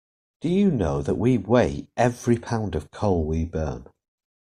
Do you know that we weigh every pound of coal we burn.